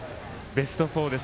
ベスト４です。